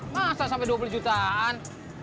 masa sampai dua puluh jutaan